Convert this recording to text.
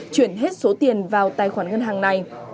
chuyển hết số tiền vào tài khoản ngân hàng này